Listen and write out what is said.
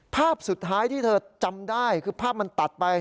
ภาพสุดท้ายที่เธอจำได้คือภาพมันตัดไป